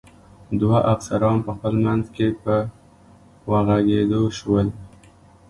دوه افسران په خپل منځ کې په وږغېدو شول.